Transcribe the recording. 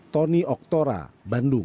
tony oktora bandung